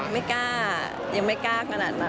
ไม่กล้ายังไม่กล้าขนาดนั้น